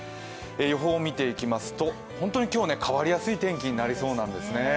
予報を見ていきますと本当に今日、変わりやすい天気になりそうなんですね。